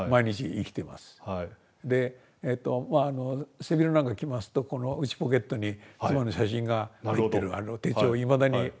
で背広なんか着ますとこの内ポケットに妻の写真が入っている手帳をいまだに持ってます。